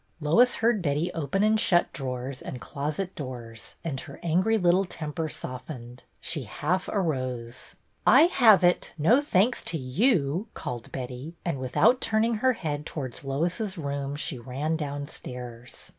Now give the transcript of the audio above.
Lois heard Betty open and shut drawers and closet doors, and her angry little temper softened. She half arose. I have it, no thanks to yoii," called Betty, and, without turning her head towards Lois's room, she ran downstairs.